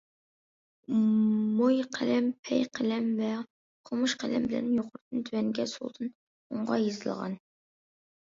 موي قەلەم، پەي قەلەم، ۋە قومۇش قەلەم بىلەن يۇقىرىدىن- تۆۋەنگە، سولدىن- ئوڭغا يېزىلغان.